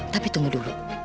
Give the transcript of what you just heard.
tapi tunggu dulu